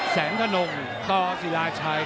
แสงขนงต่อสีราชัย